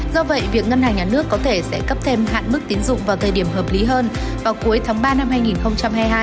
do vậy việc ngân hàng nhà nước có thể sẽ cấp thêm hạn mức tiến dụng vào thời điểm hợp lý hơn vào cuối tháng ba năm hai nghìn hai mươi hai